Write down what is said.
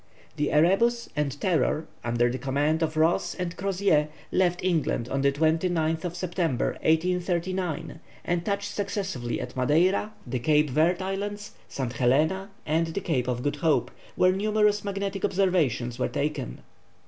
The Erebus and Terror, under the command of Ross and Crozier, left England on the 29th September, 1839, and touched successively at Madeira, the Cape Verd Islands, St. Helena, and the Cape of Good Hope, where numerous magnetic observations were taken.